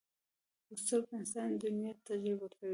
په سترګو انسان دنیا تجربه کوي